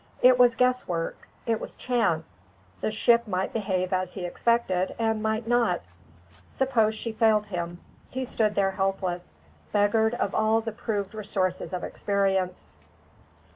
It was guess work; it was chance; the ship might behave as he expected, and might not; suppose she failed him, he stood there helpless, beggared of all the proved resources of experience.